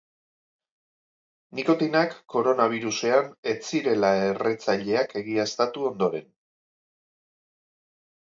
Nikotinak koronabirusean ez zirela erretzaileak egiaztatu ondoren.